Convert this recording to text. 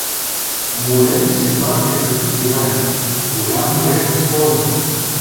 Молете се, братя християни, голям грях е сторено.